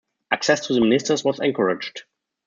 Access to ministers was encouraged.